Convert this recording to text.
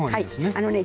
あのね